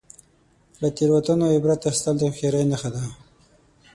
• له تیروتنو عبرت اخیستل د هوښیارۍ نښه ده.